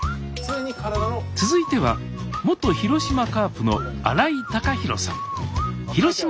続いては元広島カープの新井貴浩さん。